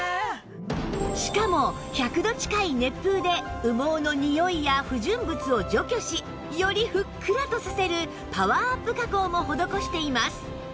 しかも１００度近い熱風で羽毛のにおいや不純物を除去しよりふっくらとさせるパワーアップ加工も施しています